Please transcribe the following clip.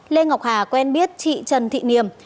lê ngọc hà quen biết chị trần thị niềm